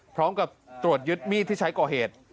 พร้อมกับตรวจยึดมีดที่ใช้ก่อเหตุ